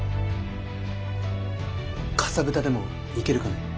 かさぶたでもいけるかね。